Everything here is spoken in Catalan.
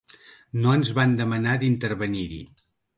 No ens van demanar d’intervenir-hi.